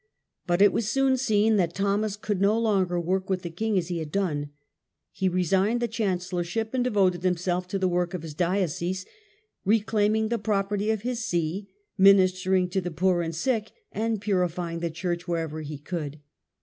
But it was soon seen that Thomas could no longer work with the king as he had done. He resigned the chancel lorship and devoted himself to the work of his diocese, reclaiming the property of his see, ministering to the poor and sick, and purifying the church wherever he could.